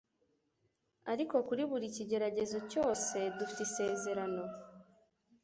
Ariko kuri buri kigeragezo cyose dufite isezerano